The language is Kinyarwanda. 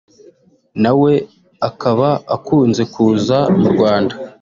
nawe akaba akunze kuza mu Rwanda